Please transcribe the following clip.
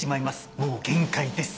もう限界です。